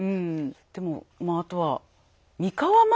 でもあとは「三河万歳」。